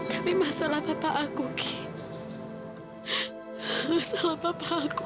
tapi masalah papa aku ki masalah papa aku